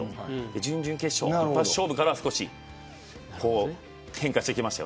準々決勝の一発勝負からは少し変化してきました。